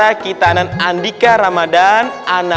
aku sedang murah disini